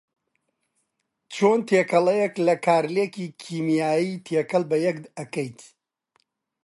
چۆن تێکەڵیەک لە کارلێکی کیمیایی تێکەڵ بەیەک ئەکەیت